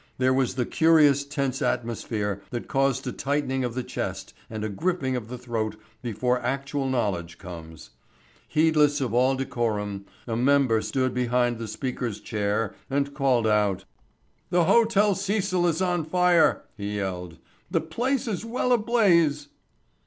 There was the curious tense atmosphere that causes a tightening of the chest and a gripping of the throat before actual knowledge comes. Heedless of all decorum, a member stood behind the Speaker's chair, and called aloud: [Illustration: The Hotel Cecil in flames.] "The Hotel Cecil is on fire!" he yelled. "The place is well ablaze!"